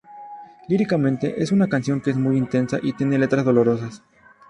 Líricamente es una canción que es muy intensa y tiene letras dolorosas.